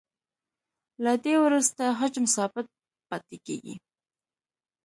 له دې وروسته حجم ثابت پاتې کیږي